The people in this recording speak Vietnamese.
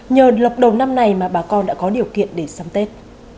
nhờ lọc đầu năm này mà bà con đã có điều kiện để sắm tết